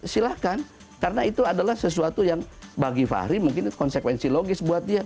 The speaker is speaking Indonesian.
silahkan karena itu adalah sesuatu yang bagi fahri mungkin konsekuensi logis buat dia